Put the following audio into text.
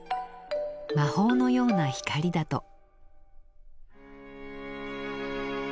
魔法のような光だと。